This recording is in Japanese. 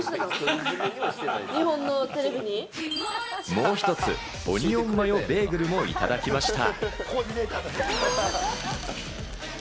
もう一つ、オニオンマヨベーグルもいただきました。